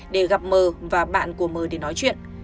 để gặp mờ và bạn của m để nói chuyện